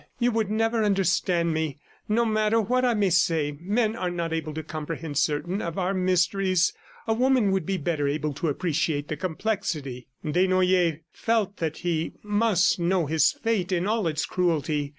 You would never understand me, no matter what I might say. Men are not able to comprehend certain of our mysteries. ... A woman would be better able to appreciate the complexity." Desnoyers felt that he must know his fate in all its cruelty.